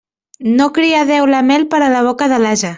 No crià Déu la mel per a la boca de l'ase.